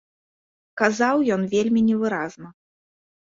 Казаў ён вельмі невыразна.